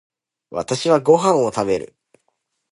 私はご飯を食べる。